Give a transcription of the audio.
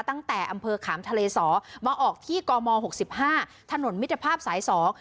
ตั้งแต่อำเภอขามทะเลสอมาออกที่กมหกสิบห้าถนนมิตรภาพสายสอง